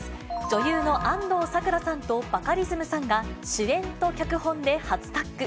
女優の安藤サクラさんとバカリズムさんが、主演と脚本で初タッグ。